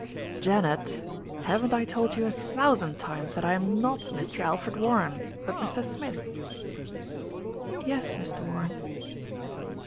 "Janet, haven't I told you a thousand times that I am not Mr. Alfred Warren; but Mr. Smith?" "Yes, Mr. Warren."